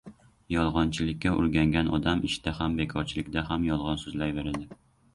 Yolg‘onchilikka o‘rgangan odam ishda ham, bekorchilikda ham yolg‘on so‘zlayveradi.